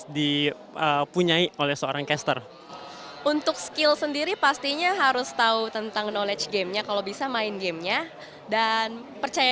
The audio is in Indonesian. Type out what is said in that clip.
dengan siapa nih suara dari komentatornya